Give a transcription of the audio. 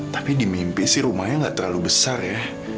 tapi di mimpi sih rumahnya nggak terlalu besar ya